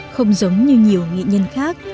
không giống như nhiều nghệ nhân khác